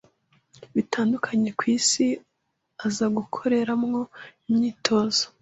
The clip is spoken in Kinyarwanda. bitandukanye ku isi aza gukoreramo imyitozo